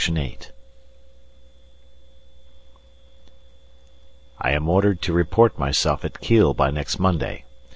I am ordered to report myself at Kiel by next Monday.